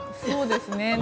そうですね。